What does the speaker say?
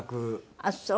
ああそう。